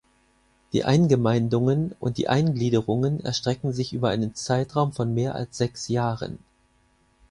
Die Eingemeindungen und Eingliederungen erstreckten sich über einen Zeitraum von mehr als sechs Jahren.